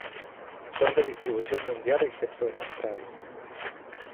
Son de distribución mundial excepto en Australia.